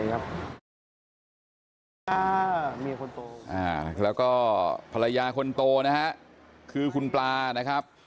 แล้วก็ภรรยาคนโตคือคุณปรานะครับ